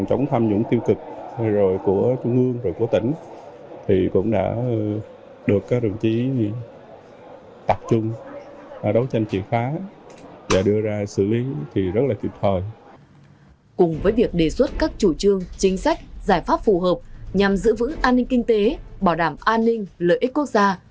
các chủ trương chính sách giải pháp phù hợp nhằm giữ vững an ninh kinh tế bảo đảm an ninh lợi ích quốc gia